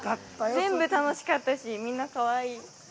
全部楽しかったし、みんなかわいい。